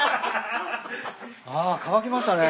あ乾きましたね。